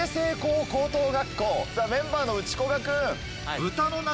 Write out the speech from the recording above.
メンバーの内古閑君。